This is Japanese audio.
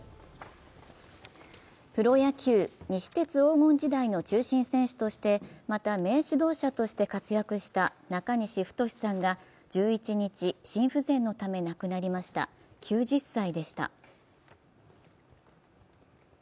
プロ野球、西鉄黄金時代の中心選手としてまた名指導者として活躍した中西太さんが１１日、心不全のため亡くなりました９０歳でした。